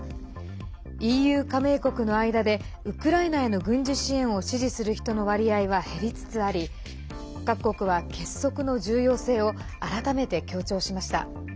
ＥＵ加盟国の間でウクライナへの軍事支援を支持する人の割合は減りつつあり各国は結束の重要性を改めて強調しました。